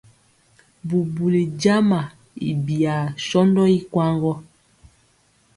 Bubuli jama i biyaa sɔndɔ i kwaŋ gɔ.